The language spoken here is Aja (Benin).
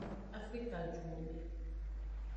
Afrikajuwome.